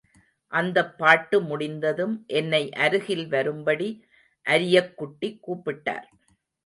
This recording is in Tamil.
அந்தப் பாட்டு முடிந்ததும் என்னை அருகில் வரும்படி அரியக்குடி கூப்பிட்டார்.